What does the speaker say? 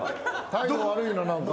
態度悪いな何か。